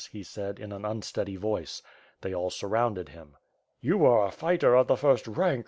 he said, in an unsteady voice. They all surrounded him. "You are a fighter of the first rank.